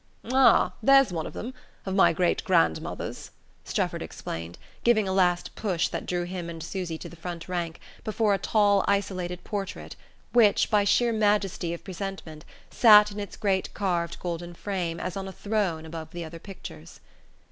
"Ah, there's one of them of my great grandmothers," Strefford explained, giving a last push that drew him and Susy to the front rank, before a tall isolated portrait which, by sheer majesty of presentment, sat in its great carved golden frame as on a throne above the other pictures.